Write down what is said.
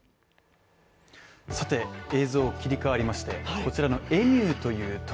さて、映像切り替わりまして、こちらのエミューという鳥